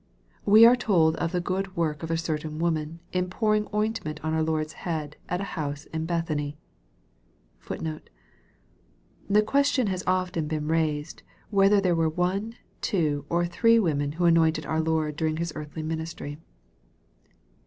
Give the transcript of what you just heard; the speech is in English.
We are told of the good work of a certain woman, in pour ing ointment on our Lord's head, in a house at Bethany.* She did it, no doubt, as a mark of honor and respect, * The question has often been raised, whether there were one, two, or three women who anointed our Lord during His earthly ministry.